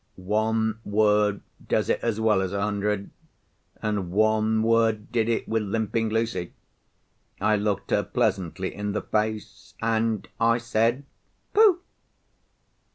One word does it as well as a hundred; and one word did it with Limping Lucy. I looked her pleasantly in the face; and I said—"Pooh!"